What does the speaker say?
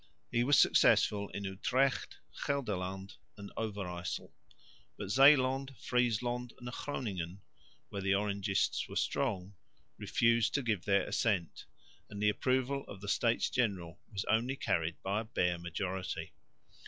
He was successful in Utrecht, Gelderland and Overyssel. But Zeeland, Friesland and Groningen, where the Orangists were strong, refused to give their assent; and the approval of the States General was only carried by a bare majority.